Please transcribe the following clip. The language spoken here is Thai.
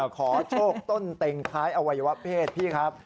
ขอโชคต้นเต็งคล้ายอวัยวะเพศพี่ครับ